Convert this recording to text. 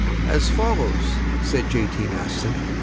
"As follows," said J. T. Maston.